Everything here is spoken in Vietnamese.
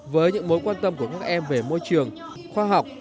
với những mối quan tâm của các em về môi trường khoa học